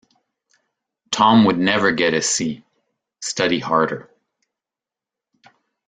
Tom would never get a C, study harder.